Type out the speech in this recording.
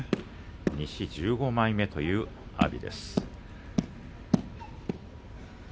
西１５枚目という阿炎です。